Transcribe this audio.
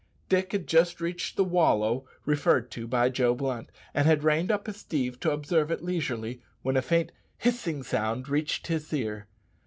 Dick had just reached the "wallow" referred to by Joe Blunt, and had reined up his steed to observe it leisurely, when a faint hissing sound reached his ear.